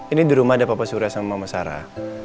ini di rumah ada papa surya sama mama sarah